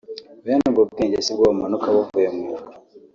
Bene ubwo bwenge si bwo bumanuka buvuye mu ijuru